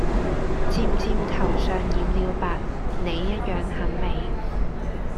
漸漸頭上染了白你一樣很美